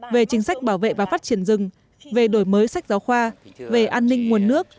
về chính sách bảo vệ và phát triển rừng về đổi mới sách giáo khoa về an ninh nguồn nước